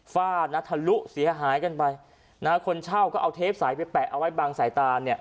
ฟาดนะทะลุเสียหายกันไปนะคนเช่าก็เอาเทปสายไปแปะเอาไว้บางสายตาเนี่ย